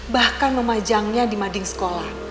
bahkan memajangnya di mading sekolah